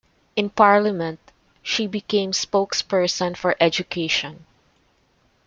In parliament, she became spokesperson for education.